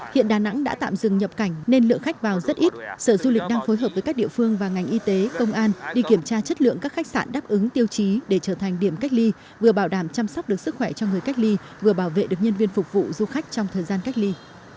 hiện đà nẵng đã tạm dừng nhập cảnh nên lượng khách vào rất ít sở du lịch đang phối hợp với các địa phương và ngành y tế công an đi kiểm tra chất lượng các khách sạn đáp ứng tiêu chí để trở thành điểm cách ly vừa bảo đảm chăm sóc được sức khỏe cho người cách ly vừa bảo vệ được nhân viên phục vụ du khách trong thời gian cách ly